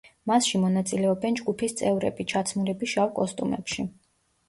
მასში მონაწილეობენ ჯგუფის წევრები, ჩაცმულები შავ კოსტუმებში.